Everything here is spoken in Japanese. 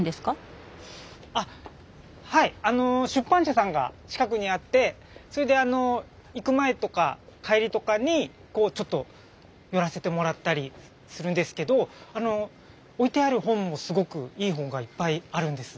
あはい出版社さんが近くにあってそれで行く前とか帰りとかにちょっと寄らせてもらったりするんですけど置いてある本もすごくいい本がいっぱいあるんです。